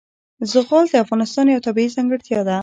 زغال د افغانستان یوه طبیعي ځانګړتیا ده.